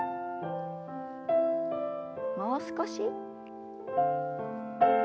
もう少し。